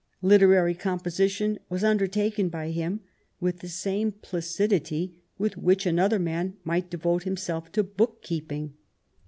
Literary composition was under taken by him with the same placidity with which another man might devote himself to book keeping.